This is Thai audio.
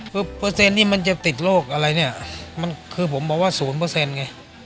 เปอร์เซ็นต์นี่มันจะติดโรคอะไรเนี่ยผมบอกว่าสูญเปอร์เซ็นต์ไง